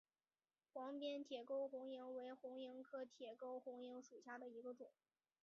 黄边短沟红萤为红萤科短沟红萤属下的一个种。